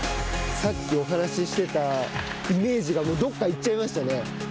さっきお話ししてたイメージがどこかに行っちゃいましたね。